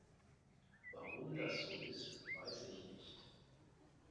Warum das so ist, weiß ich nicht.